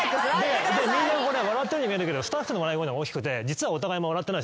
みんなこれ笑ってるように見えるんだけどスタッフの笑い声のが大きくて実はお互いあんま笑ってない。